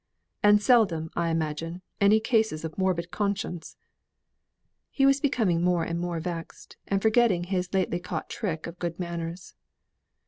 "And seldom, I imagine, any cases of morbid conscience." He was becoming more and more vexed, and forgetting his lately caught trick of good manners.